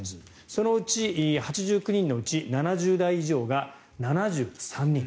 そのうち８９人のうち７０代以上が７３人。